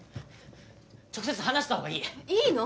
直接話したほうがいいいいの？